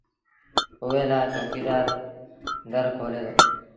اُئي لآ چوڪيدآر در کولي دو